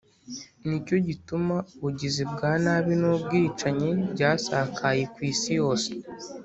ni cyo gituma ubugizi bwa nabi n’ubwicanyi byasakaye ku isi yose,